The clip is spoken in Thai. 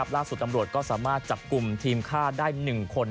ล่าสุดตำรวจก็สามารถจับกลุ่มทีมฆ่าได้๑คน